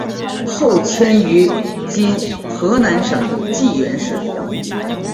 后迁于今河南省济源市。